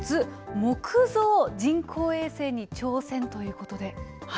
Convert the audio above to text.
木造人工衛星に挑戦ということで。